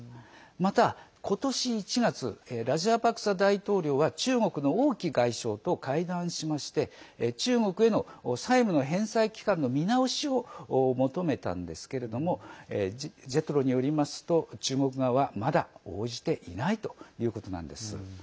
また、ことし１月ラジャパクサ大統領は中国の王毅外相と会談しまして中国への債務の返済期間の見直しを求めたんですけれどもＪＥＴＲＯによりますと中国側はまだ応じていないということなんです。